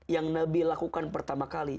yang nabi lakukan pertama kali